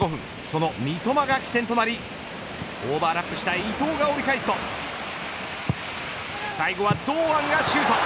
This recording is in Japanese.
その三笘が起点となりオーバーラップした伊藤が折り返すと最後は堂安がシュート。